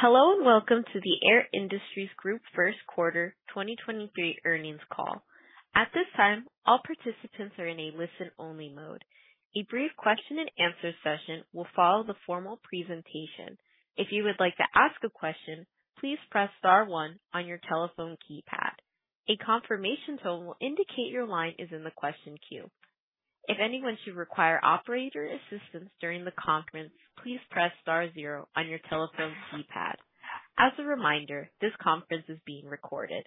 Hello, and welcome to the Air Industries Group first quarter 2023 earnings call. At this time, all participants are in a listen-only mode. A brief question and answer session will follow the formal presentation. If you would like to ask a question, please press star one on your telephone keypad. A confirmation tone will indicate your line is in the question queue. If anyone should require operator assistance during the conference, please press star zero on your telephone keypad. As a reminder, this conference is being recorded.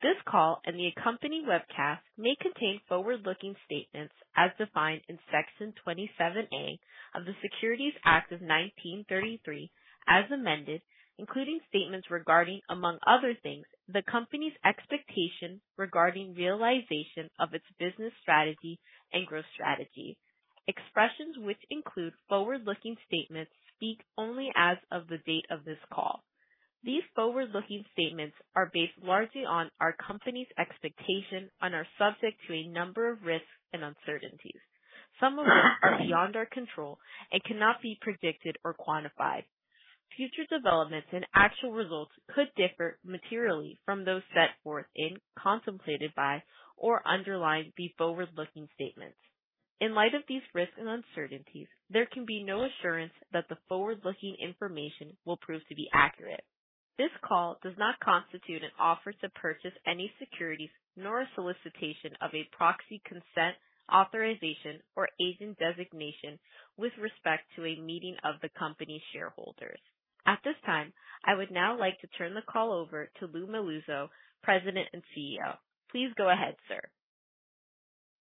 This call and the accompanying webcast may contain forward-looking statements as defined in Section 27A of the Securities Act of 1933, as amended, including statements regarding, among other things, the company's expectations regarding realization of its business strategy and growth strategy. Expressions which include forward-looking statements speak only as of the date of this call. These forward-looking statements are based largely on our company's expectations and are subject to a number of risks and uncertainties. Some of which are beyond our control and cannot be predicted or quantified. Future developments and actual results could differ materially from those set forth in, contemplated by, or underlying these forward-looking statements. In light of these risks and uncertainties, there can be no assurance that the forward-looking information will prove to be accurate. This call does not constitute an offer to purchase any securities, nor a solicitation of a proxy, consent, authorization, or agent designation with respect to a meeting of the company's shareholders. At this time, I would now like to turn the call over to Lou Melluzzo, President and CEO. Please go ahead, sir.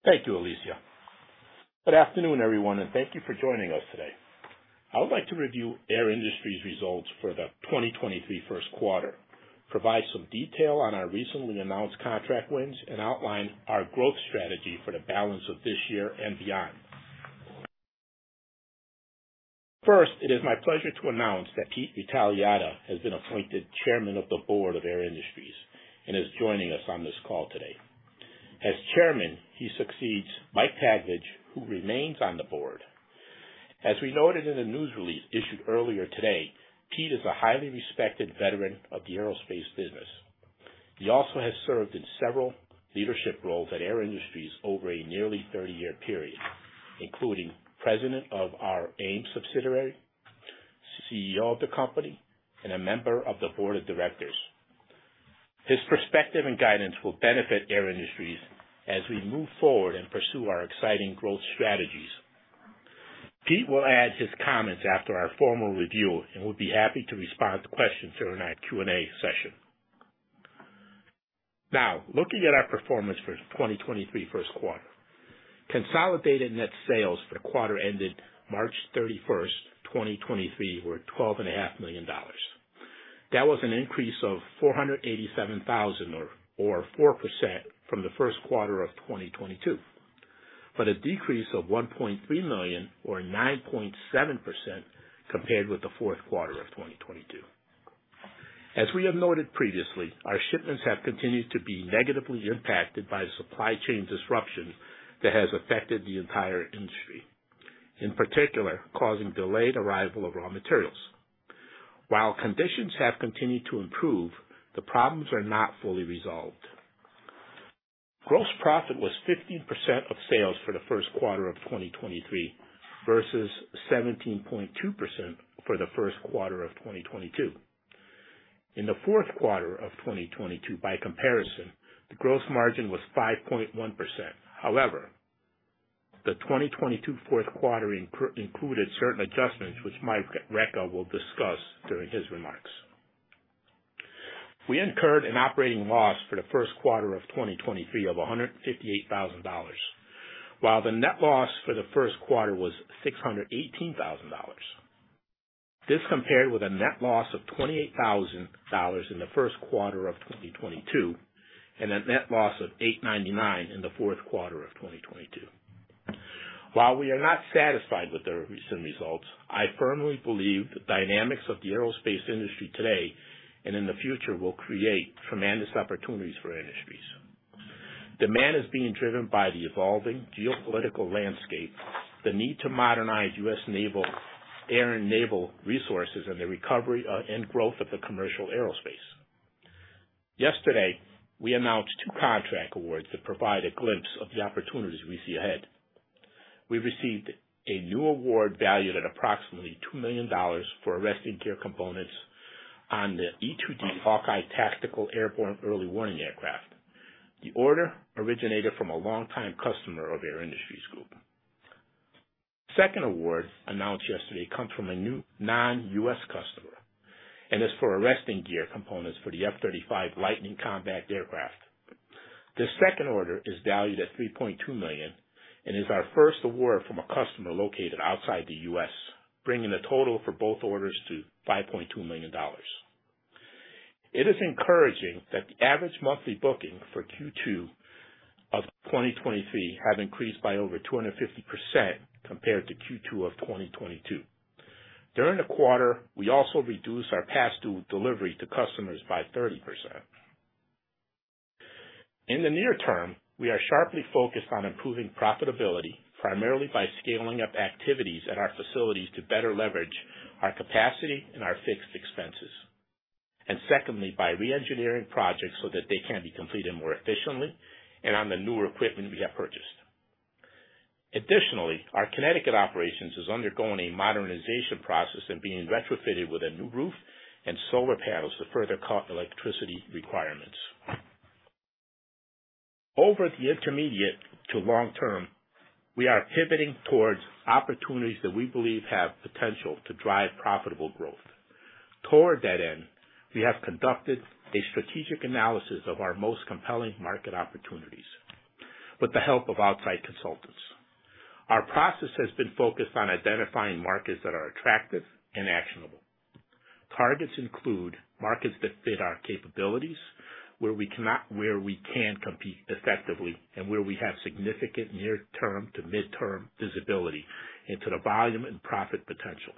Thank you, Alicia. Good afternoon, everyone, thank you for joining us today. I would like to review Air Industries' results for the 2023 first quarter, provide some detail on our recently announced contract wins, and outline our growth strategy for the balance of this year and beyond. First, it is my pleasure to announce that Pete Rettaliata has been appointed Chairman of the Board of Air Industries and is joining us on this call today. As Chairman, he succeeds Mike Taglich, who remains on the board. As we noted in the news release issued earlier today, Pete is a highly respected veteran of the aerospace business. He also has served in several leadership roles at Air Industries over a nearly 30-year period, including President of our AIM subsidiary, CEO of the company, and a member of the Board of Directors. His perspective and guidance will benefit Air Industries as we move forward and pursue our exciting growth strategies. Pete will add his comments after our formal review and will be happy to respond to questions during our Q&A session. Looking at our performance for 2023 first quarter. Consolidated net sales for the quarter ended March 31st, 2023, were $12.5 million. That was an increase of $487,000 or 4% from the first quarter of 2022, but a decrease of $1.3 million or 9.7% compared with the fourth quarter of 2022. As we have noted previously, our shipments have continued to be negatively impacted by the supply chain disruption that has affected the entire industry, in particular, causing delayed arrival of raw materials. While conditions have continued to improve, the problems are not fully resolved. Gross profit was 15% of sales for the first quarter of 2023, versus 17.2% for the first quarter of 2022. In the fourth quarter of 2022, by comparison, the gross margin was 5.1%. The 2022 fourth quarter included certain adjustments, which Mike Recca will discuss during his remarks. We incurred an operating loss for the first quarter of 2023 of $158,000, while the net loss for the first quarter was $618,000. This compared with a net loss of $28,000 in the first quarter of 2022, and a net loss of $899,000 in the fourth quarter of 2022. While we are not satisfied with the recent results, I firmly believe the dynamics of the aerospace industry today and in the future will create tremendous opportunities for Air Industries. Demand is being driven by the evolving geopolitical landscape, the need to modernize U.S. naval, air and naval resources, and the recovery and growth of the commercial aerospace. Yesterday, we announced two contract awards that provide a glimpse of the opportunities we see ahead. We received a new award valued at approximately $2 million for arresting gear components on the E-2D Advanced Hawkeye tactical airborne early warning aircraft. The order originated from a longtime customer of Air Industries Group. Second award, announced yesterday, comes from a new non-U.S. customer and is for arresting gear components for the F-35 Lightning II combat aircraft. This second order is valued at $3.2 million and is our first award from a customer located outside the U.S., bringing the total for both orders to $5.2 million. It is encouraging that the average monthly booking for Q2 of 2023 have increased by over 250% compared to Q2 of 2022. During the quarter, we also reduced our past due delivery to customers by 30%. In the near term, we are sharply focused on improving profitability, primarily by scaling up activities at our facilities to better leverage our capacity and our fixed expenses. Secondly, by reengineering projects so that they can be completed more efficiently and on the newer equipment we have purchased. Additionally, our Connecticut operations is undergoing a modernization process and being retrofitted with a new roof and solar panels to further cut electricity requirements. Over the intermediate to long term, we are pivoting towards opportunities that we believe have potential to drive profitable growth. Toward that end, we have conducted a strategic analysis of our most compelling market opportunities with the help of outside consultants. Our process has been focused on identifying markets that are attractive and actionable. Targets include markets that fit our capabilities, where we can compete effectively, and where we have significant near term to midterm visibility into the volume and profit potential.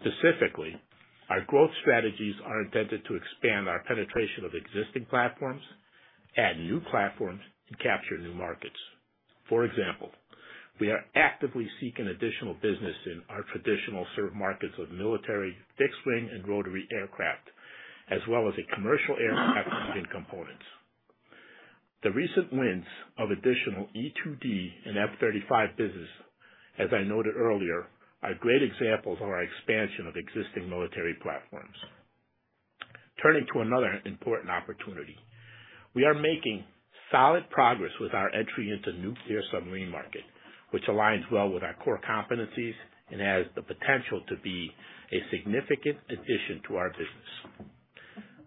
Specifically, our growth strategies are intended to expand our penetration of existing platforms, add new platforms, and capture new markets. For example, we are actively seeking additional business in our traditional served markets of military, fixed wing, and rotary aircraft, as well as a commercial aircraft and components. The recent wins of additional E-2D and F-35 business, as I noted earlier, are great examples of our expansion of existing military platforms. Turning to another important opportunity, we are making solid progress with our entry into nuclear submarine market, which aligns well with our core competencies and has the potential to be a significant addition to our business.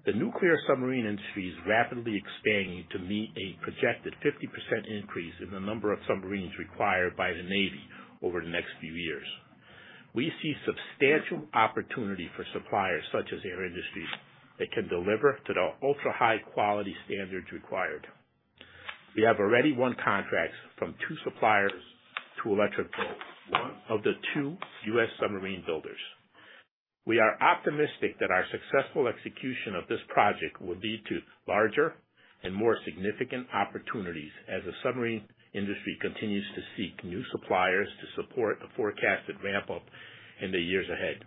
The nuclear submarine industry is rapidly expanding to meet a projected 50% increase in the number of submarines required by the Navy over the next few years. We see substantial opportunity for suppliers such as Air Industries that can deliver to the ultra high quality standards required. We have already won contracts from two suppliers to Electric Boat, one of the two U.S. submarine builders. We are optimistic that our successful execution of this project will lead to larger and more significant opportunities as the submarine industry continues to seek new suppliers to support a forecasted ramp up in the years ahead.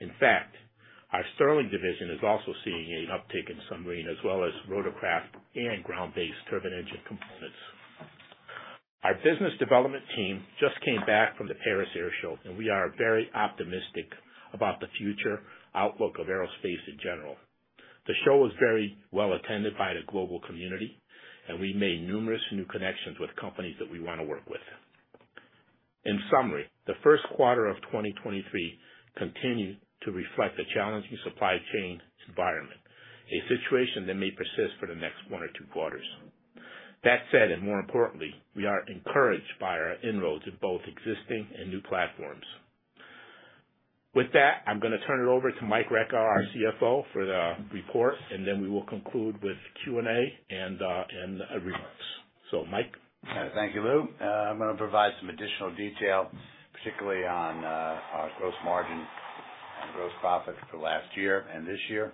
In fact, our Sterling is also seeing an uptick in submarine as well as rotorcraft and ground-based turbine engine components. Our business development team just came back from the Paris Air Show, we are very optimistic about the future outlook of aerospace in general. The show was very well attended by the global community, we made numerous new connections with companies that we want to work with. In summary, the first quarter of 2023 continued to reflect a challenging supply chain environment, a situation that may persist for the next one or two quarters. That said, and more importantly, we are encouraged by our inroads in both existing and new platforms. With that, I'm going to turn it over to Mike Recca, our CFO, for the report, and then we will conclude with Q&A and remarks. Mike? Thank you, Lou. I'm going to provide some additional detail, particularly on our gross margin and gross profit for last year and this year.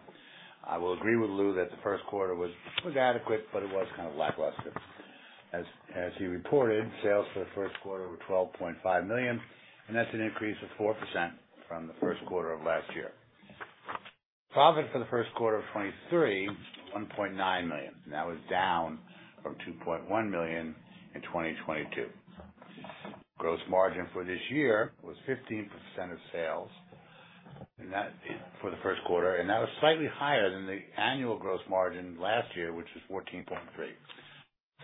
I will agree with Lou that the first quarter was adequate, but it was kind of lackluster. As he reported, sales for the first quarter were $12.5 million. That's an increase of 4% from the first quarter of last year. Profit for the first quarter of 2023, $1.9 million. That was down from $2.1 million in 2022. Gross margin for this year was 15% of sales, that for the first quarter, that was slightly higher than the annual gross margin last year, which was 14.3%.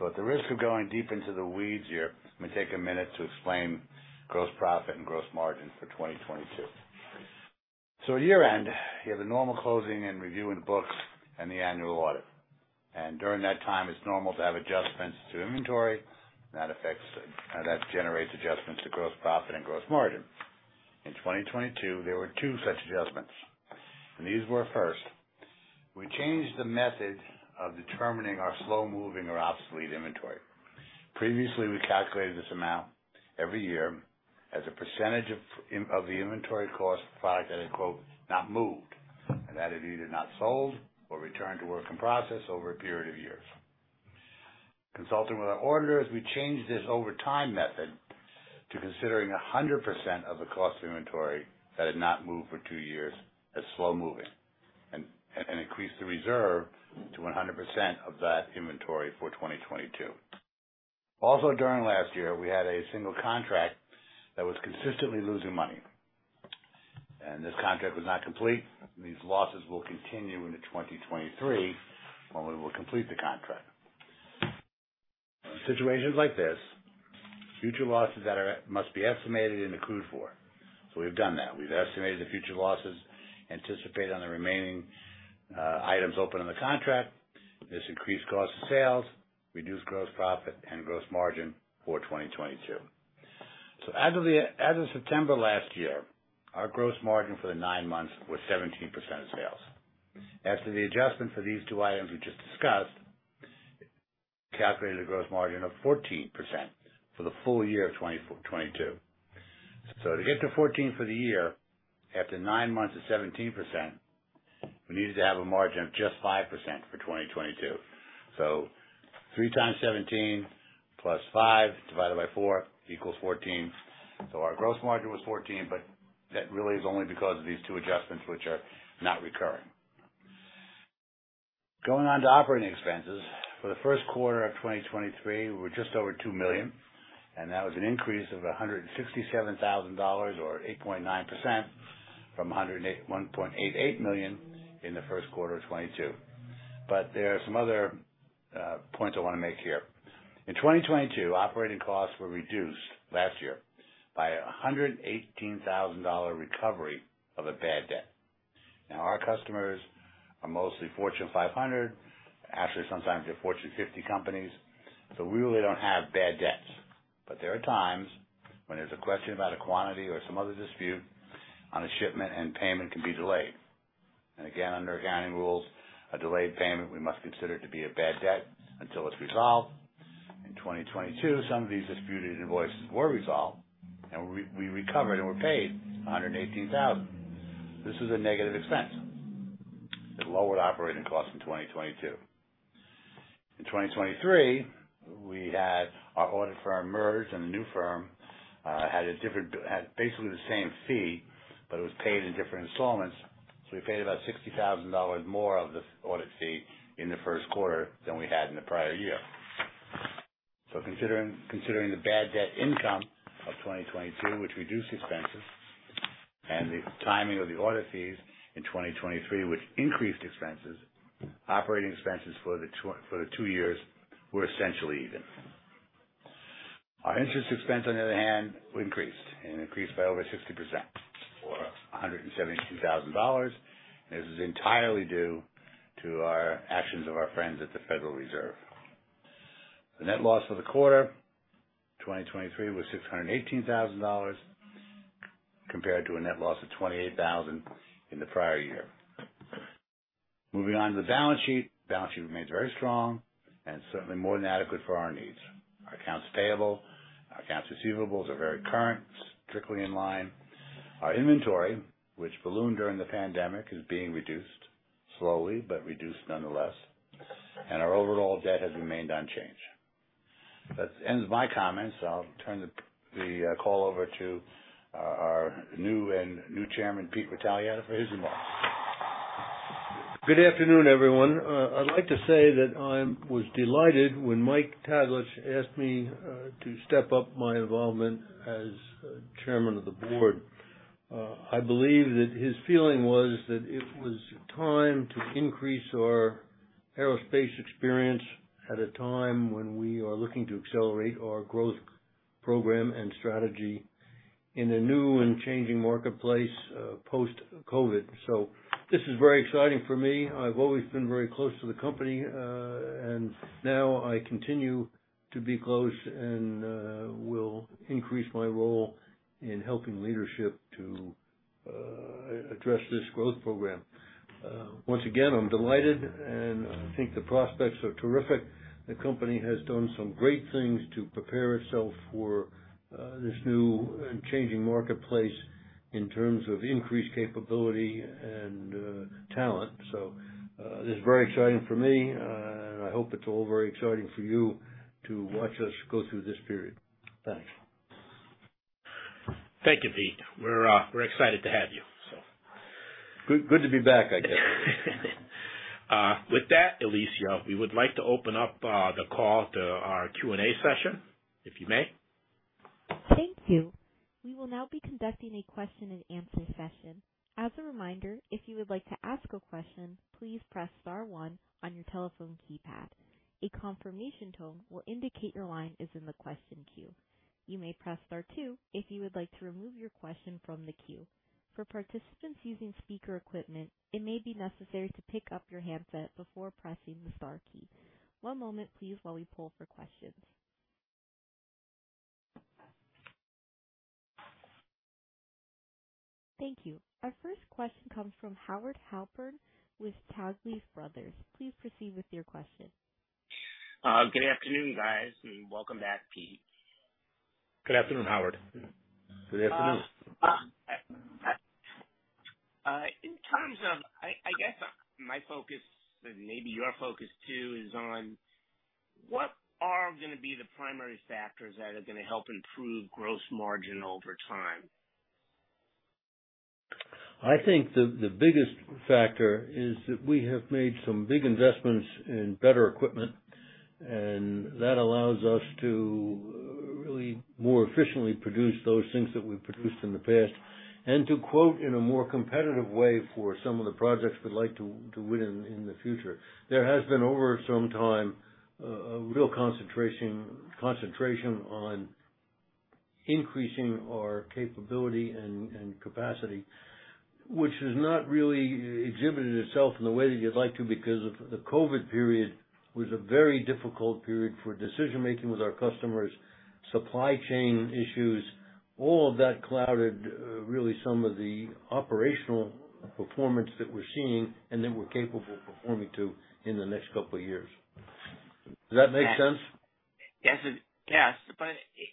At the risk of going deep into the weeds here, I'm going to take a minute to explain gross profit and gross margin for 2022. At year-end, you have a normal closing and review in the books and the annual audit. During that time, it's normal to have adjustments to inventory. That generates adjustments to gross profit and gross margin. In 2022, there were two such adjustments. These were, first, we changed the method of determining our slow-moving or obsolete inventory. Previously, we calculated this amount every year as a percentage of the inventory cost of product that had, quote, "Not moved." That is either not sold or returned to work in process over a period of years. Consulting with our auditors, we changed this over time method to considering 100% of the cost of inventory that had not moved for two years as slow-moving, and increased the reserve to 100% of that inventory for 2022. Also, during last year, we had a single contract that was consistently losing money, and this contract was not complete. These losses will continue into 2023, when we will complete the contract. In situations like this, future losses must be estimated and accrued for. We've done that. We've estimated the future losses, anticipated on the remaining items open in the contract. This increased cost of sales, reduced gross profit and gross margin for 2022. As of September last year, our gross margin for the nine months was 17% of sales. After the adjustment for these two items we just discussed, calculated a gross margin of 14% for the full year of 2022. To get to 14 for the year, after nine months of 17%, we needed to have a margin of just 5% for 2022. (3×17+5)÷4=14. Our gross margin was 14, but that really is only because of these two adjustments, which are not recurring. Going on to operating expenses, for the first quarter of 2023, we were just over $2 million. That was an increase of $167,000 or 8.9% from $1.88 million in the first quarter of 2022. There are some other points I want to make here. In 2022, operating costs were reduced last year by a $118,000 recovery of a bad debt. Now, our customers are mostly Fortune 500. Actually, sometimes they're Fortune 50 companies, so we really don't have bad debts. There are times when there's a question about a quantity or some other dispute on a shipment, and payment can be delayed. Again, under accounting rules, a delayed payment, we must consider to be a bad debt until it's resolved. In 2022, some of these disputed invoices were resolved, and we recovered and were paid $118,000. This was a negative expense. It lowered operating costs in 2022. In 2023, we had our audit firm merge, and the new firm had basically the same fee, but it was paid in different installments, we paid about $60,000 more of the audit fee in the first quarter than we had in the prior year. Considering the bad debt income of 2022, which reduced expenses, and the timing of the audit fees in 2023, which increased expenses, operating expenses for the two years were essentially even. Our interest expense, on the other hand, increased by over 60%, or $172,000. This is entirely due to our actions of our friends at the Federal Reserve. The net loss for the quarter 2023 was $618,000, compared to a net loss of $28,000 in the prior year. Moving on to the balance sheet. Balance sheet remains very strong and certainly more than adequate for our needs. Our accounts payable, our accounts receivables are very current, strictly in line. Our inventory, which ballooned during the pandemic, is being reduced slowly, but reduced nonetheless, and our overall debt has remained unchanged. That ends my comments. I'll turn the call over to our new Chairman, Pete Rettaliata, for his remarks. Good afternoon, everyone. I'd like to say that I was delighted when Mike Taglich asked me to step up my involvement as Chairman of the Board. I believe that his feeling was that it was time to increase our aerospace experience at a time when we are looking to accelerate our growth program and strategy in a new and changing marketplace, post-COVID. This is very exciting for me. I've always been very close to the company, and now I continue to be close and will increase my role in helping leadership to address this growth program. Once again, I'm delighted, and I think the prospects are terrific. The company has done some great things to prepare itself for this new and changing marketplace in terms of increased capability and talent. This is very exciting for me, and I hope it's all very exciting for you to watch us go through this period. Thanks. Thank you, Pete. We're excited to have you. Good, good to be back, I guess. With that, Alicia, we would like to open up the call to our Q&A session, if you may. Thank you. We will now be conducting a question and answer session. As a reminder, if you would like to ask a question, please press star one on your telephone keypad. A confirmation tone will indicate your line is in the question queue. You may press star two if you would like to remove your question from the queue. For participants using speaker equipment, it may be necessary to pick up your handset before pressing the star key. One moment, please, while we pull for questions. Thank you. Our first question comes from Howard Halpern with Taglich Brothers. Please proceed with your question. Good afternoon, guys, and welcome back, Pete. Good afternoon, Howard. Good afternoon. I guess, my focus and maybe your focus, too, is on what are going to be the primary factors that are going to help improve gross margin over time? I think the biggest factor is that we have made some big investments in better equipment, and that allows us to really more efficiently produce those things that we've produced in the past, and to quote in a more competitive way for some of the projects we'd like to win in the future. There has been, over some time, a real concentration on increasing our capability and capacity, which has not really exhibited itself in the way that you'd like to, because of the COVID period was a very difficult period for decision-making with our customers, supply chain issues. All of that clouded really some of the operational performance that we're seeing and that we're capable of performing to in the next couple of years. Does that make sense? Yes,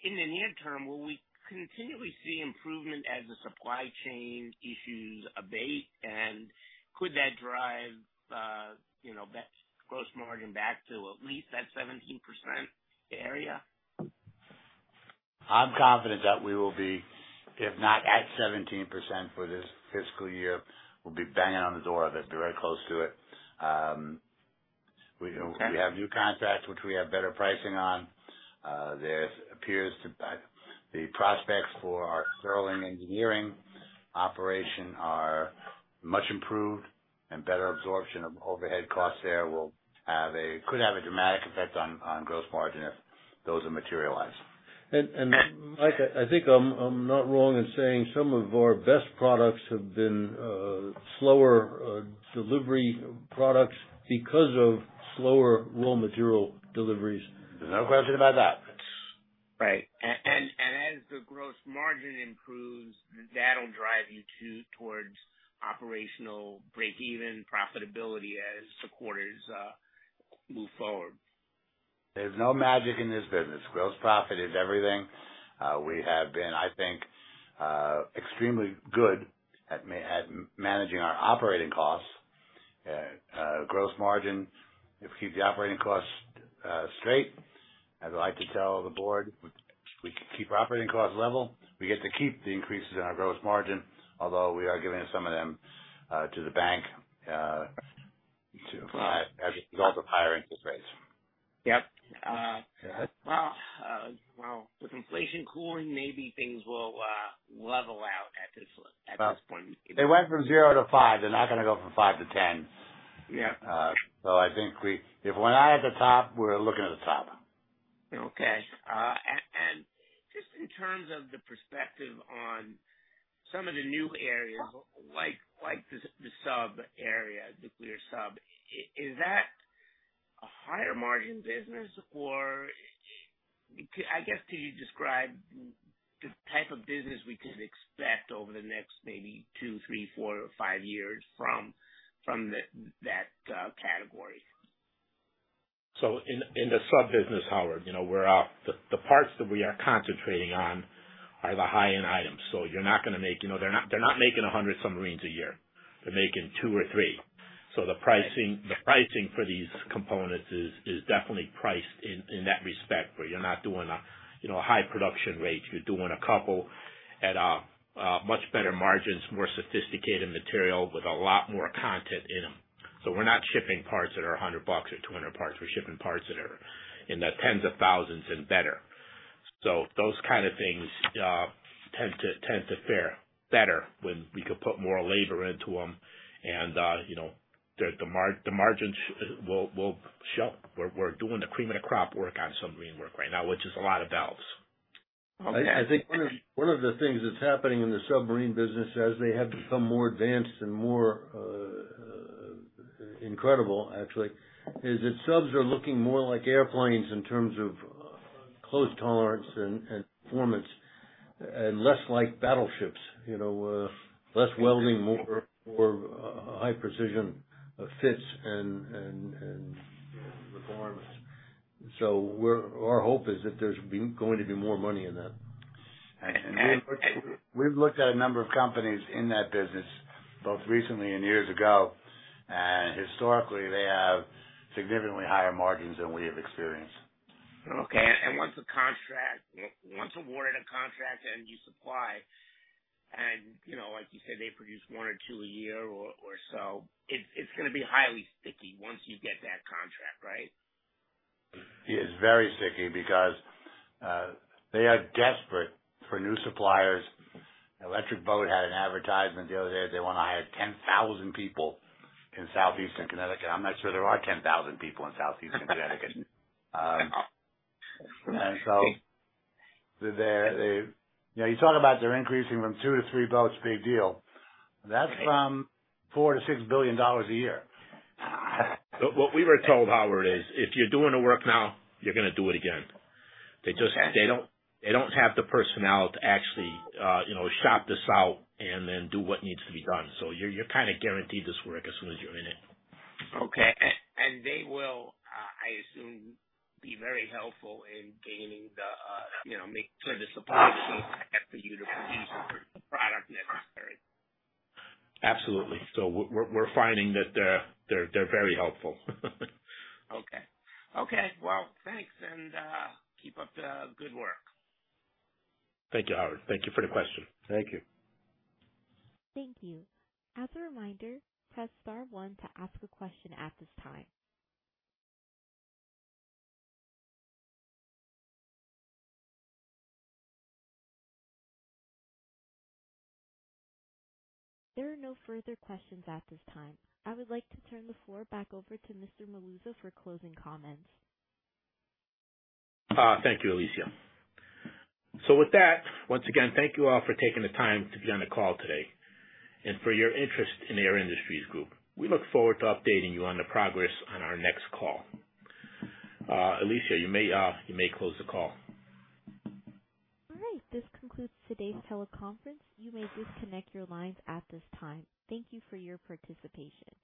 in the near term, will we continually see improvement as the supply chain issues abate, and could that drive, you know, gross margin back to at least that 17% area? I'm confident that we will be, if not at 17% for this fiscal year, we'll be banging on the door of it, be very close to it. We have new contracts, which we have better pricing on. There appears to, the prospects for our Sterling Engineering operation are much improved and better absorption of overhead costs there will have a, could have a dramatic effect on gross margin if those are materialized. Mike, I think I'm not wrong in saying some of our best products have been slower delivery products because of slower raw material deliveries. There's no question about that. Right. As the gross margin improves, that'll drive you towards operational break-even profitability as the quarters move forward. There's no magic in this business. Gross profit is everything. We have been, I think, extremely good at managing our operating costs. Gross margin, if we keep the operating costs straight, as I like to tell the board, we keep our operating costs level, we get to keep the increases in our gross margin, although we are giving some of them to the bank as a result of higher interest rates. Yep. Well, well, with inflation cooling, maybe things will level out at this point. They went from 0% to 5%. They're not going to go from 5% to 10%. Yeah. I think if we're not at the top, we're looking at the top. Okay. Just in terms of the perspective on some of the new areas, like the sub area, nuclear sub, is that a higher margin business? Or I guess, can you describe the type of business we could expect over the next maybe two, three, four or five years from that category? In the sub business, Howard, you know, the parts that we are concentrating on are the high-end items. You're not going to make, you know, they're not making 100 submarines a year. They're making two or three. The pricing for these components is definitely priced in that respect, where you're not doing you know, a high production rate. You're doing a couple at much better margins, more sophisticated material with a lot more content in them. We're not shipping parts that are $100 or $200 parts. We're shipping parts that are in the tens of thousands and better. Those kind of things tend to fare better when we could put more labor into them. you know, the margins will show we're doing the cream of the crop work on submarine work right now, which is a lot of dollars. I think one of the things that's happening in the submarine business, as they have become more advanced and more incredible, actually, is that subs are looking more like airplanes in terms of close tolerance and performance and less like battleships. You know, less welding, more high precision fits and performance. Our hope is that there's been going to be more money in that. We've looked at a number of companies in that business, both recently and years ago, and historically, they have significantly higher margins than we have experienced. Okay. Once awarded a contract and you supply and, you know, like you said, they produce one or two a year or so, it's going to be highly sticky once you get that contract, right? It is very sticky because they are desperate for new suppliers. Electric Boat had an advertisement the other day. They want to hire 10,000 people in southeastern Connecticut. I'm not sure there are 10,000 people in southeastern Connecticut. You know, you talk about they're increasing from two to three boats, big deal. That's from $4 billion-$6 billion a year. What we were told, Howard, is if you're doing the work now, you're going to do it again. They don't have the personnel to actually, you know, shop this out and then do what needs to be done. You're kind of guaranteed this work as soon as you're in it. Okay. They will, I assume, be very helpful in gaining the, you know, make sure the supply chain for you to produce the product necessary. Absolutely. We're finding that they're very helpful. Okay. Okay, well, thanks. Keep up the good work. Thank you, Howard. Thank you for the question. Thank you. Thank you. As a reminder, press star one to ask a question at this time. There are no further questions at this time. I would like to turn the floor back over to Mr. Melluzzo for closing comments. Thank you, Alicia. With that, once again, thank you all for taking the time to be on the call today and for your interest in Air Industries Group. We look forward to updating you on the progress on our next call. Alicia, you may close the call. All right. This concludes today's teleconference. You may disconnect your lines at this time. Thank you for your participation.